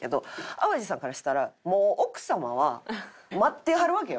淡路さんからしたらもう奥様は待ってはるわけよ。